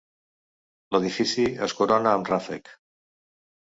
L'edifici es corona amb ràfec.